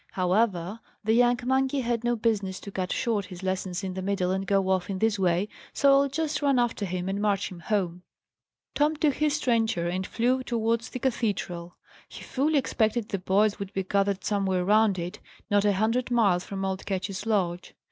"However, the young monkey had no business to cut short his lessons in the middle, and go off in this way, so I'll just run after him and march him home." Tom took his trencher and flew towards the cathedral. He fully expected the boys would be gathered somewhere round it, not a hundred miles from old Ketch's lodge.